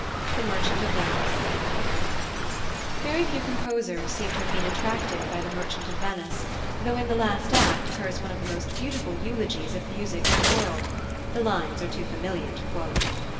THE MERCHANT OF VENICE Very few composers seem to have been attracted by The Merchant of Venice, though in the last act occurs one of the most beautiful eulogies of music in the world the lines are too familiar to quote.